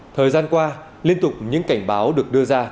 thời gian qua liên tục những cảnh báo được đưa ra